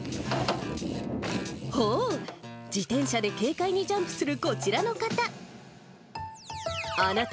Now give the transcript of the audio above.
おー、自転車で軽快にジャンプするこちらの方。